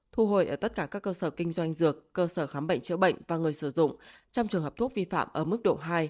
thu hồi ở tất cả các cơ sở kinh doanh dược cơ sở khám bệnh chữa bệnh và người sử dụng trong trường hợp thuốc vi phạm ở mức độ hai